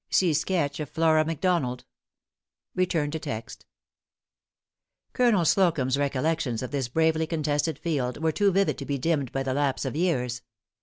See sketch of Flora McDonald. Colonel Slocum's recollections of this bravely contested field were too vivid to be dimmed by the lapse of years.